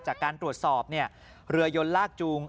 จากการตรวจสอบเรือยนลากจูง